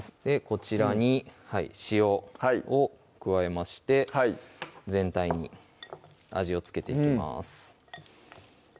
こちらに塩を加えまして全体に味を付けていきます